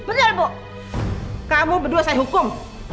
benar bu kamu berdua saya hukum